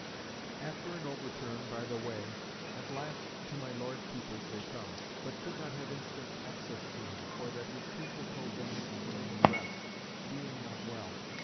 After an overturn by the way, "at last to my Lord Keeper's they come, but could not have instant access to him, for that his people told them he was laid at rest, being not well.